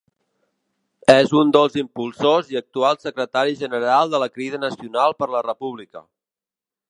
És un dels impulsors i actual Secretari General de la Crida Nacional per la República.